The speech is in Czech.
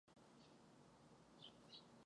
Severně od vrcholu stojí vysílač.